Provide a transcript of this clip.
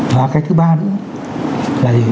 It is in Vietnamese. và cái thứ ba nữa